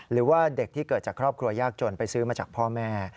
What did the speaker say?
หรือว่าเด็กที่เกิดจากครอบครัวยากจนไปซื้อมาจากพ่อแม่